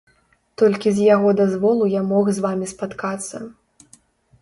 Толькі з яго дазволу я мог з вамі спаткацца.